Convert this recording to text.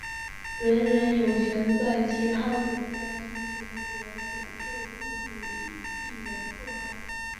人人有权在其他国家寻求和享受庇护以避免迫害。